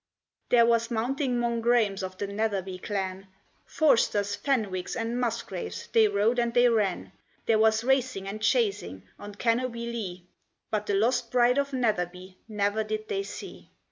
There was mounting 'mong Græmes of the Netherby clan; Forsters, Fenwicks, and Musgraves, they rode, and they ran; There was racing and chasing on Cannobie Lee, But the lost bride of Netherby ne'er did they see.